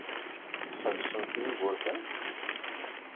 Tḥebsemt Yugurten?